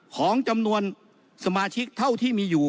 ของจำนวนสมาชิกเท่าที่มีอยู่